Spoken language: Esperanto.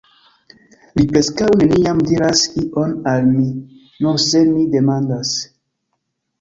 Li preskaŭ neniam diras ion al mi..., nur se mi demandas.